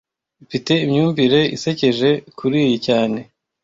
Mfite imyumvire isekeje kuriyi cyane